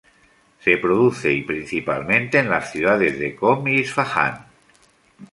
Se produce principalmente en las ciudades de Qom y Isfahán.